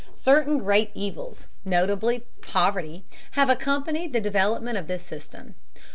Certain great evils, notably poverty, have accompanied the development of this system.